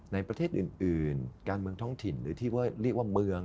ในประเทศอื่นการเมืองท้องถิ่นหรือที่เรียกว่าเมือง